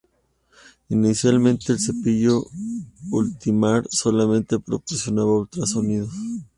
Inicialmente, el cepillo Ultima® solamente proporcionaba ultrasonidos.